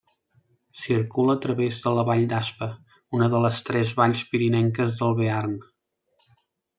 Circula a través de la vall d'Aspa, una de les tres valls pirinenques del Bearn.